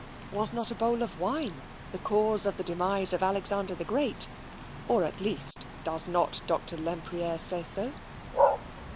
Was not a bowl of wine the cause of the demise of Alexander the Great, or, at least, does not Dr. Lempriere say so?